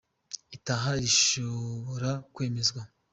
itaha rishobora kwemezwa